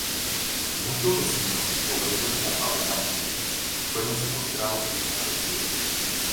Muchos vecinos, obreros de la fábrica Molinos, fueron secuestrados y desaparecidos.